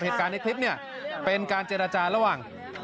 เหตุการณ์ในคลิปเนี่ยเป็นการเจรจาระหว่าง